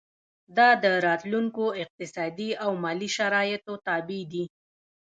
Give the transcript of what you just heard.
دا د راتلونکو اقتصادي او مالي شرایطو تابع دي.